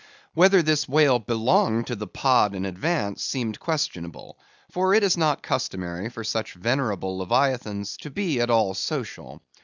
Whether this whale belonged to the pod in advance, seemed questionable; for it is not customary for such venerable leviathans to be at all social.